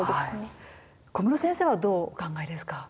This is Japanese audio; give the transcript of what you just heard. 小室先生はどうお考えですか？